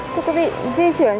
thưa quý vị di chuyển